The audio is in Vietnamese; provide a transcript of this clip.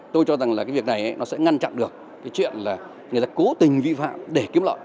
tôi cho rằng là cái việc này nó sẽ ngăn chặn được cái chuyện là người ta cố tình vi phạm để kiếm lợi